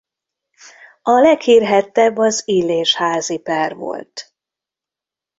A leghírhedtebb az Illésházy-per volt.